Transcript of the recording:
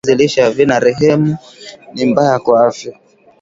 viazi lishe havina rehemu ni mbaya kwa afya